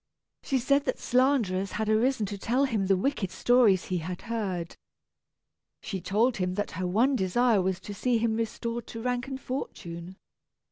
She said that slanderers had arisen to tell him the wicked stories he had heard. She told him that her one desire was to see him restored to rank and fortune.